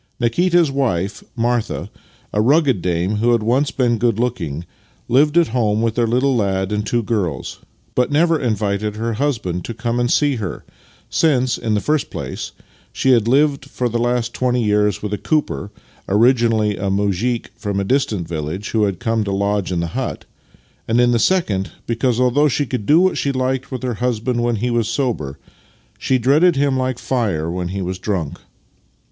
Nikita's wife, Martha — a rugged dame who had once been good looking — lived at home with their little lad and two girls, but never invited her husband to come and see her; since, in the first place, she had lived for the last twenty years with a cooper (originally a muzhik from a distant village who had come to lodge in the hut), and, in the second, because, although she could do what she hked with her husband when he was sober, she dreaded him like fire when he was drunk.